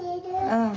うん。